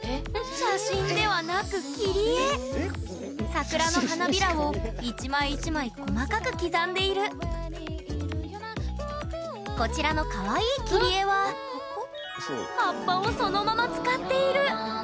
写真ではなく桜の花びらを一枚一枚細かく刻んでいるこちらのかわいい切り絵は葉っぱをそのまま使っている！